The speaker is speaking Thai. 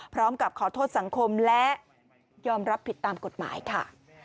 พร้อมกับขอโทษสังคมและยอมรับผิดตามกฎหมายค่ะ